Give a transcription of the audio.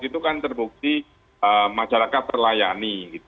itu kan terbukti masyarakat terlayani